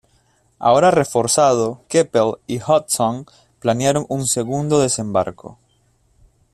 Ahora reforzado, Keppel y Hodgson planearon un segundo desembarco.